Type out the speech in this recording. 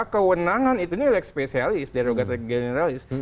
kewenangan itu ini lekspesialis derogat generalis